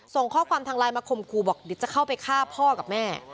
ส่งข้อความทางลายมาคมครูบอกดิจะเข้าไปฆ่าพ่อกับแม่